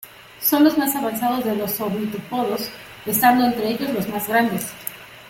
Son los más avanzados de los ornitópodos, estando entre ellos los más grandes.